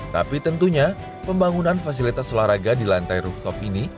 tapi tentunya pembangunan fasilitas olahraga di lantai rooftop ini